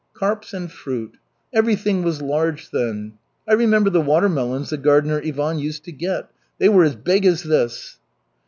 "Carps and fruit everything was large then. I remember the watermelons the gardener Ivan used to get. They were as big as this!"